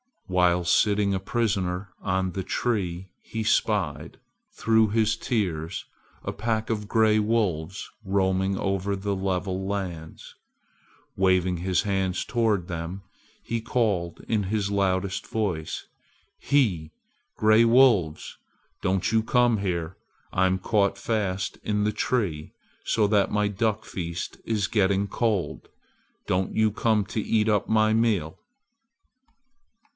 While sitting a prisoner on the tree he spied, through his tears, a pack of gray wolves roaming over the level lands. Waving his hands toward them, he called in his loudest voice, "He! Gray wolves! Don't you come here! I'm caught fast in the tree so that my duck feast is getting cold. Don't you come to eat up my meal."